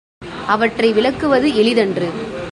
அவற்றை விளக்குவது எளிதன்று.